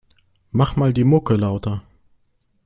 Mach mal die Mucke lauter.